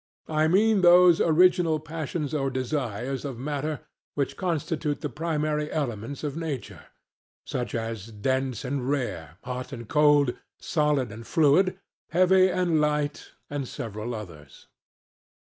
I mean those original passions or desires of matter which constitute the primary elements of nature; such as Dense and Rare, Hot and Cold, Solid and Fluid, Heavy and Light, and several others.